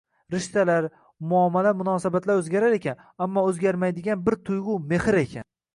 Rishtalar, muomala-munosabatlar o`zgarar ekan, ammo o`zgarmaydigan bir tuyg`u Mehr ekan